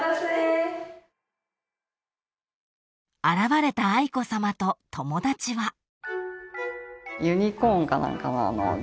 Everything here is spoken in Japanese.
［現れた愛子さまと友達は］